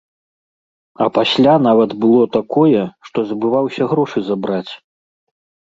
А пасля нават было такое, што забываўся грошы забраць.